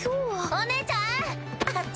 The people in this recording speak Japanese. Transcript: お姉ちゃんあっち！